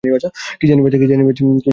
কী জানি বাছা!